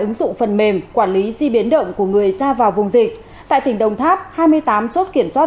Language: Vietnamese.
ứng dụng phần mềm quản lý di biến động của người ra vào vùng dịch tại tỉnh đồng tháp hai mươi tám chốt kiểm soát